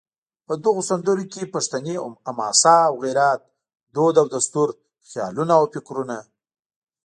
په دغو سندرو کې پښتني حماسه او غیرت، دود او دستور، خیالونه او فکرونه